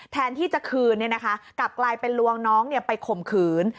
แทนที่จะคืนกลับกลายเป็นลวงน้องไปข่มขืน